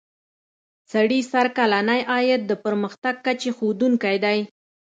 سړي سر کلنی عاید د پرمختګ کچې ښودونکی دی.